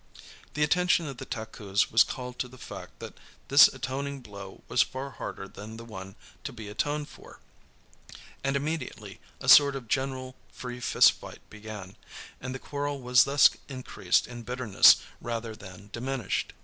The attention of the Takus was called to the fact that this atoning blow was far harder than the one to be atoned for, and immediately a sort of general free fist fight began, and the quarrel was thus increased in bitterness rather than diminished.